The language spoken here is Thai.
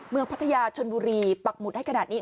พัทยาชนบุรีปักหมุดให้ขนาดนี้